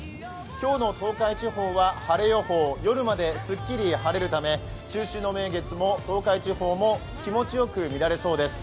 今日の東海地方は晴れ予報、晴れ予報、夜まですっきり晴れるため中秋の名月も東海地方も気持ちよく見られそうです。